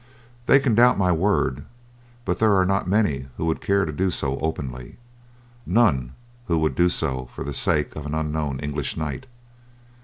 They can doubt my word; but there are not many who would care to do so openly; none who would do so for the sake of an unknown English knight.